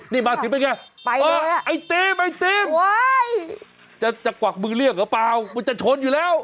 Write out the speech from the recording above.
นี่มาถึงเป็นไงเออไอ้ตีไอตี้จะกวักมือเรียกหรือเปล่ามันจะชนอยู่แล้ว